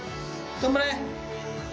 頑張れ。